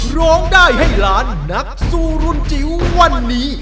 ร้องได้ให้ล้านนักสู้รุ่นจิ๋ววันนี้